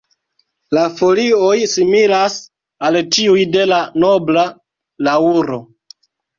La folioj similas al tiuj de la nobla laŭro.